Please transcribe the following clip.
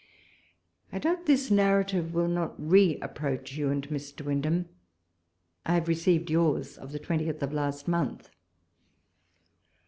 I doubt this narrative will not re approach you and Mr. Windham. I have received yours of the 20th of last month.